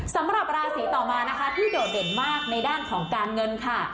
สำหรับราศีต่อมานะคะที่โดดเด่นมากในด้านของการเงินค่ะ